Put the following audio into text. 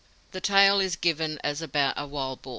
(The tale is given as about a wild boar.